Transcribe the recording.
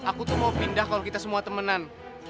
aku tuh mau pindah kalau kita semua temenan